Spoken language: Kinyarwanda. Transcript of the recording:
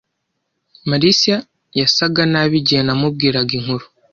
Marcia yasaga nabi igihe namubwiraga inkuru.